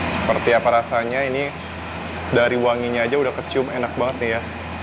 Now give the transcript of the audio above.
seperti apa rasanya ini dari wanginya aja udah kecium enak banget nih ya